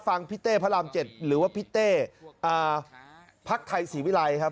พี่เต้พระราม๗หรือว่าพี่เต้พักไทยศรีวิรัยครับ